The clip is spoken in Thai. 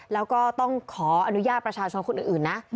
แล้วก็ต้องขออนุญาตประชาชนคนอื่นนะ